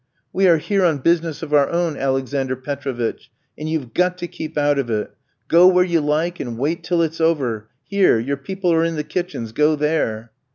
"We are here on business of our own, Alexander Petrovitch, and you've got to keep out of it. Go where you like and wait till it's over ... here, your people are in the kitchens, go there."